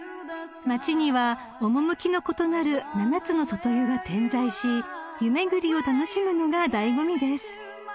［町には趣の異なる７つの外湯が点在し湯巡りを楽しむのが醍醐味です］